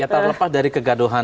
ya terlepas dari kegaduhan